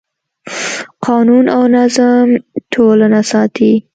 قانون او نظم ټولنه ساتي.